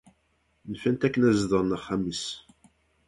Nfan-t akken ad zedɣen axxam-is.